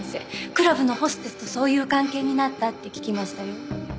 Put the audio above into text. クラブのホステスとそういう関係になったって聞きましたよ。